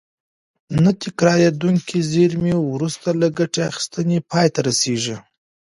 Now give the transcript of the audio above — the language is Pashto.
نه تکرارېدونکې زېرمې وروسته له ګټې اخیستنې پای ته رسیږي.